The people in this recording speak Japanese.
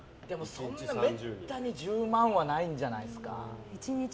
そんなめったに１０万はないんじゃないですか。